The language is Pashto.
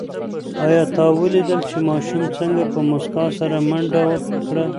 آیا تا ولیدل چې ماشوم څنګه په موسکا سره منډه کړه؟